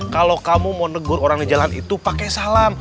kalau kamu mau negur orang di jalan itu pakai salam